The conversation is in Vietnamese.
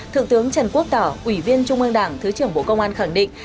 thượng tướng trần quốc tỏ ủy viên trung ương đảng thứ trưởng bộ công an khẳng định